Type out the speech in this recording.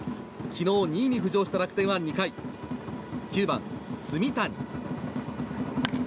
昨日２位に浮上した楽天は２回９番、炭谷。